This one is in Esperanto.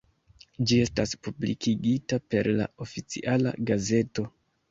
Ĝi estas publikigita per la Oficiala Gazeto.